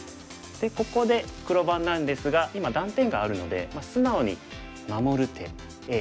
でここで黒番なんですが今断点があるので素直に守る手Ａ。